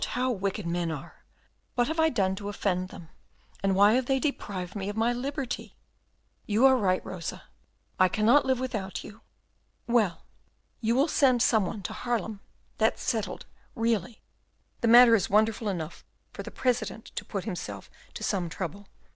how wicked men are! What have I done to offend them, and why have they deprived me of my liberty? You are right, Rosa, I cannot live without you. Well, you will send some one to Haarlem, that's settled; really, the matter is wonderful enough for the President to put himself to some trouble.